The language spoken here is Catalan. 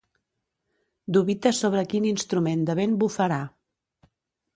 Dubita sobre quin instrument de vent bufarà.